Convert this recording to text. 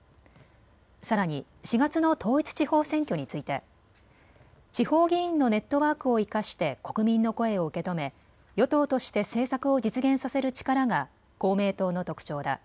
さらに４月の統一地方選挙について地方議員のネットワークを生かして国民の声を受け止め与党として政策を実現させる力が公明党の特徴だ。